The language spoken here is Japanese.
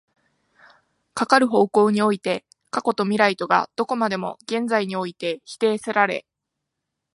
かかる方向において過去と未来とがどこまでも現在において否定せられ、